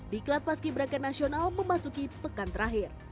di klub paskebraka nasional memasuki pekan terakhir